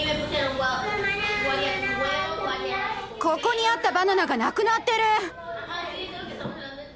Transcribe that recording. ここにあったバナナが無くなってる！